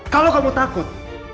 kalau kamu takut